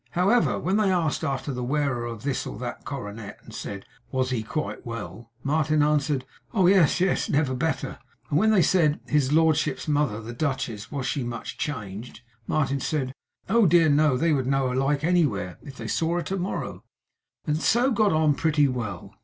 However, when they asked, after the wearer of this or that coronet, and said, 'Was he quite well?' Martin answered, 'Yes, oh yes. Never better;' and when they said, 'his lordship's mother, the duchess, was she much changed?' Martin said, 'Oh dear no, they would know her anywhere, if they saw her to morrow;' and so got on pretty well.